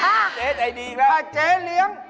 เห็นแล้วเจ๊ใจดีอีกแล้วถ้าเจ๊เลี้ยง